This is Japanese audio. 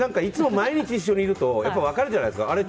いつも毎日、一緒にいると分かるじゃないですか。